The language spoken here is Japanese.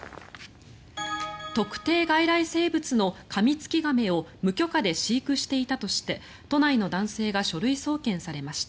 特定外来生物のカミツキガメを無許可で飼育していたとして都内の男性が書類送検されました。